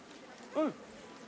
うん！